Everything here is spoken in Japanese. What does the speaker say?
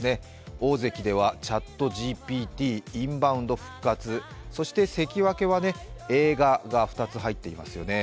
大関ではＣｈａｔＧＰＴ、インバウンド復活、そして関脇は映画が２つ入っていますよね。